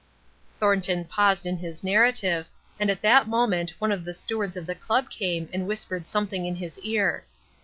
Thornton paused in his narrative, and at that moment one of the stewards of the club came and whispered something in his ear.